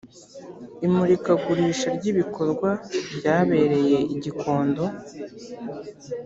imurikagurisha ry’ ibikorwa ryabereye igikondo.